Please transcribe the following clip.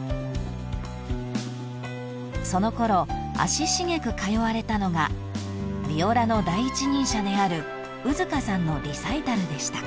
［そのころ足しげく通われたのがビオラの第一人者である兎束さんのリサイタルでした］